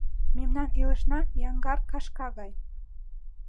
Мемнан илышна яҥгар кашка гай.